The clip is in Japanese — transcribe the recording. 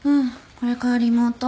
これからリモート。